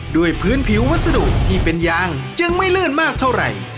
ด้วยพื้นผิววัสดุที่เป็นยางจึงไม่ลื่นมากเท่าไหร่